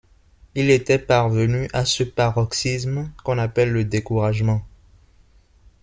Il était parvenu à ce paroxysme qu’on appelle le découragement.